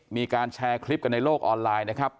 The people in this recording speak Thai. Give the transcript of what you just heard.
มีการแชร์คลิปกันในโลกออนไลน์นะครับ